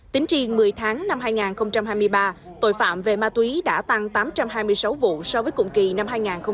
tính riêng một mươi tháng năm hai nghìn hai mươi ba tội phạm về ma túy đã tăng tám trăm hai mươi sáu vụ so với cùng kỳ năm hai nghìn hai mươi hai